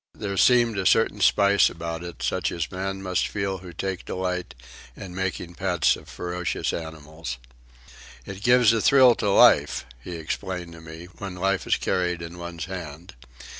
There seemed a certain spice about it, such as men must feel who take delight in making pets of ferocious animals. "It gives a thrill to life," he explained to me, "when life is carried in one's hand.